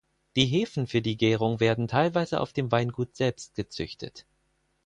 Die Hefen für die Gärung werden teilweise auf dem Weingut selbst gezüchtet.